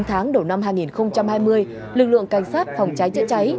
chín tháng đầu năm hai nghìn hai mươi lực lượng cảnh sát phòng cháy chữa cháy